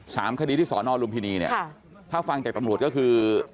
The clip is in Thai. สามคดีที่สอนอลุมพินีเนี่ยค่ะถ้าฟังจากตำรวจก็คือ